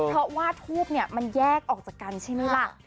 เพราะว่าทูบเนี่ยมันแยกออกจากกันใช่ไหมล่ะ